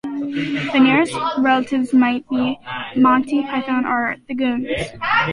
The nearest relatives might be Monty Python, or The Goons.